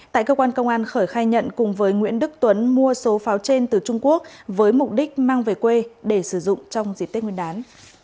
tại cơ quan công an khởi khai nhận cùng với nguyễn đức tuấn mua số pháo trên từ trung quốc với mục đích mang về quê để sử dụng trong dịp tết nguyên đán